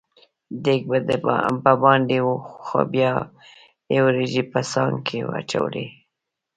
دېګ به باندې و خو بیا یې وریجې په خانک کې اچولې.